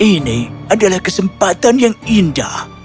ini adalah kesempatan yang indah